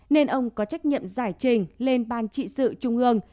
nên ông có trách nhiệm giải trình lên ban trị sự trung ương